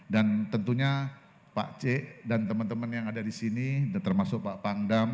tentunya pak c dan teman teman yang ada di sini termasuk pak pangdam